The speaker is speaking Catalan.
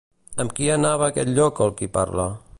Amb qui anava a aquest lloc el qui parla?